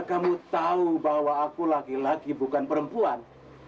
kamu tahu bahwa aku laki laki bukan perempuan